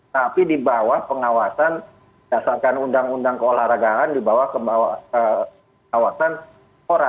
tapi dibawah pengawasan dasarkan undang undang keolahragaan dibawah ke bawah awasan pora